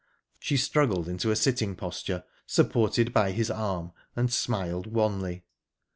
She struggled into a sitting posture, supported by his arm, and smiled wanly.